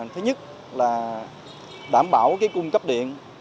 thứ nhất là đảm bảo cung cấp điện